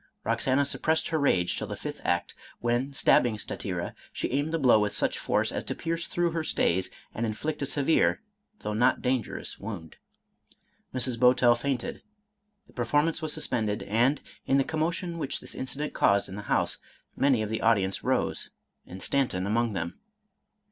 Roxana suppressed her rage till the fifth act, when, stab bing Statira, she aimed the blow with such force as to pierce through her stays, and inflict a severe though not dangerous wound. Mrs. Bowtell fainted, the performance was suspended, and, in the commotion which this incident caused in the house, many of the audience rose, and Stan ton among them.